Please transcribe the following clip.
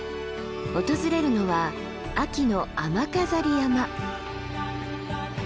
訪れるのは秋の雨飾山。